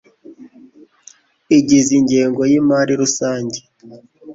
igize ingengo y imari rusange